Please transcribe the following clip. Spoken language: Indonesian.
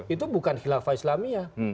itu bukan khilafah islamia